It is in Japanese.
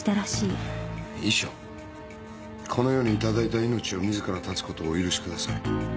「遺書」「この世に頂いた命を自ら絶つ事をお許し下さい」